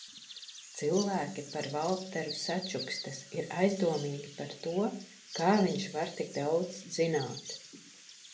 Cilvēki par Valteru sačukstas, ir aizdomīgi par to, kā viņš var tik daudz zināt.